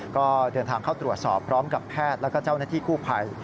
ก็เดินทางเข้าตรวจสอบพร้อมกับแพทย์แล้วก็เจ้าหน้าที่กู้ภัย